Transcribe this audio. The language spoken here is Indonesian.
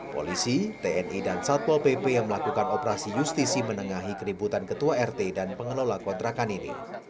polisi tni dan satpol pp yang melakukan operasi justisi menengahi keributan ketua rt dan pengelola kontrakan ini